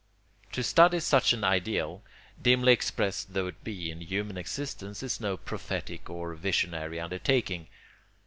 ] To study such an ideal, dimly expressed though it be in human existence, is no prophetic or visionary undertaking.